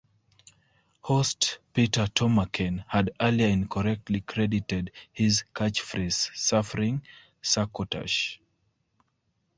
Host Peter Tomarken had earlier incorrectly credited his catchphrase Suffering Succotash!